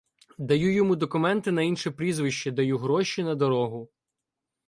Даю йому документи на інше прізвище, даю гроші на дорогу.